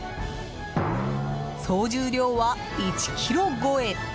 総重量は１ｋｇ超え！